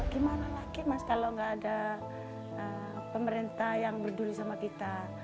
gimana lagi mas kalau nggak ada pemerintah yang berdiri sama kita